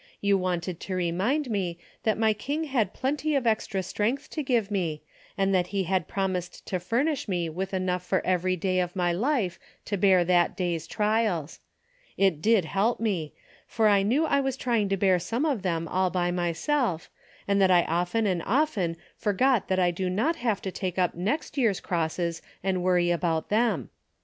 You wanted to remind me that my King had plenty of extra strength to give me, and that he had promised to furnish me with enough for every day of my life to bear that day's trials. It did help me, for I knew I was trying to bear some of them all by myself, and that I often and often forget that I do not have to take up next year's crosses and worry about them.